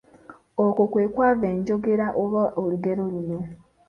Okwo kwe kwava enjogera oba olugero luno.